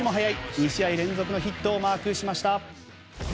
２試合連続のヒットもマークしました。